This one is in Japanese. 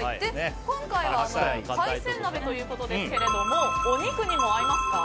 今回は海鮮鍋ということですがお肉にも合いますか？